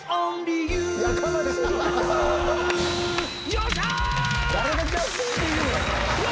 よっしゃ！